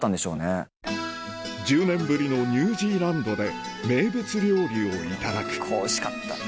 １０年ぶりのニュージーランドで名物料理をいただくここおいしかった！